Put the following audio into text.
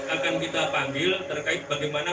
akan kita panggil terkait bagaimana